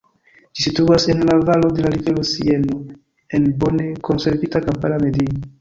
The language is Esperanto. Ĝi situas en la valo de la rivero Sieno en bone konservita kampara medio.